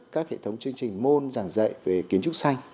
các hệ thống chương trình môn giảng dạy về kiến trúc xanh